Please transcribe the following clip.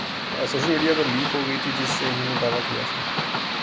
social media پر leak ہوگئی تھی جس میں انہوں نے دعویٰ کیا تھا